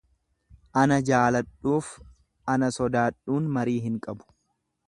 Ana jaaladhuuf ana sodaadhuun marii hin qabu.